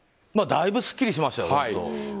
だいぶすっきりしましたよね。